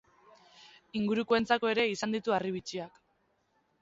Ingurukoentzako ere izan ditu harribitxiak.